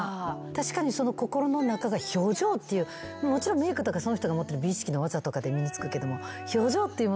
確かにその心の中が表情っていうもちろんメークとかその人が持ってる美意識の技とかで身に付くけども。